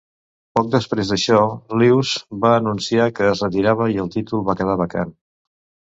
Poc després d'això, Lews va anunciar que es retirava i el títol va quedar vacant.